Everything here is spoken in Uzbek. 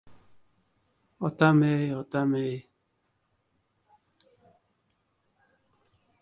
— Otam-ay, otam-ay!..